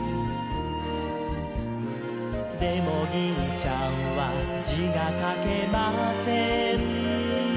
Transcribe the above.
「でも銀ちゃんは字が書けません」